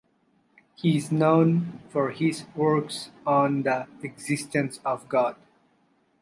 He is known for his works on the existence of God.